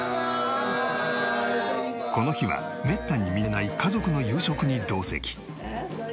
この日はめったに見れない家族の夕食に同席。